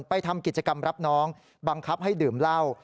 ทำกิจกรรมรับน้องบังคับให้ดื่มเหล้า